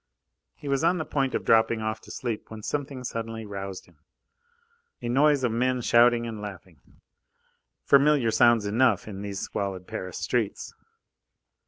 He was on the point of dropping off to sleep when something suddenly roused him. A noise of men shouting and laughing familiar sounds enough in these squalid Paris streets.